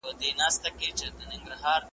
او په داخل او بهر کي یې ټول افغانان ویرجن کړل .